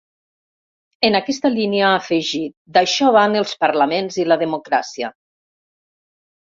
En aquesta línia, ha afegit ‘d’això van els parlaments i la democràcia’.